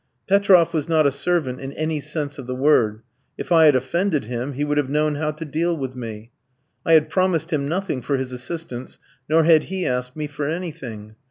Petroff was not a servant in any sense of the word. If I had offended him, he would have known how to deal with me. I had promised him nothing for his assistance, nor had he asked me for anything.